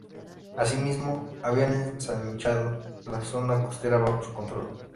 Así mismo, habían ensanchado la zona costera bajo su control.